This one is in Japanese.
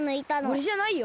おれじゃないよ。